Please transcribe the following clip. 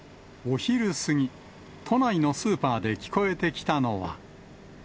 お昼過ぎ、都内のスーパーで聞こえてきたのは。